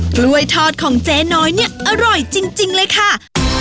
กล้วยทอดของเจ๊น้อยเนี่ยอร่อยจริงเลยค่ะ